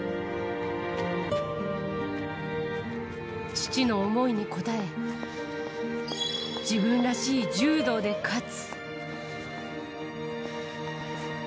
父の思いに応え、自分らしい柔道で勝つ。